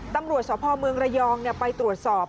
ตำรวจสพเมืองระยองไปตรวจสอบ